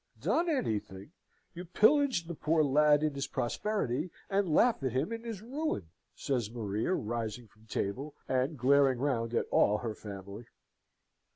"Done anything! You pillaged the poor lad in his prosperity, and laugh at him in his ruin!" says Maria, rising from table, and glaring round at all her family.